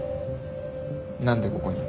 何でここに？